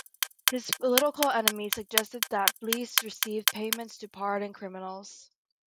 His political enemies suggested that Blease received payments to pardon criminals.